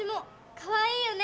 かわいいよね！